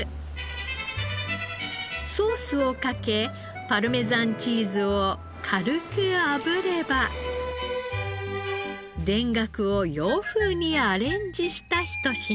ソースをかけパルメザンチーズを軽く炙れば田楽を洋風にアレンジした一品。